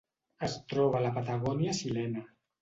Es troba a la Patagònia xilena.